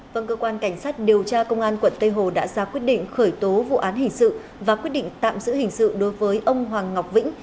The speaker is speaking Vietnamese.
vâng cơ quan cảnh sát điều tra công an quận tây hồ đã ra quyết định khởi tố vụ án hình sự và quyết định tạm giữ hình sự đối với ông hoàng ngọc vĩnh